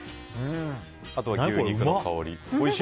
あと、牛肉の香り。